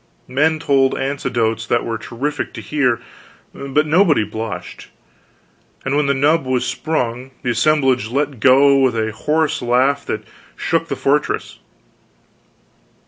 Men told anecdotes that were terrific to hear, but nobody blushed; and when the nub was sprung, the assemblage let go with a horse laugh that shook the fortress.